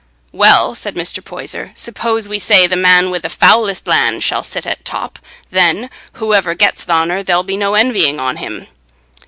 "Well," said Mr. Poyser, "suppose we say the man wi' the foulest land shall sit at top; then whoever gets th' honour, there'll be no envying on him."